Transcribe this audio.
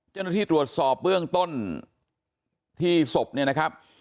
เจ้าหน้าที่ตรวจสอบเบื้องต้นที่ศพเนี่ยนะครับ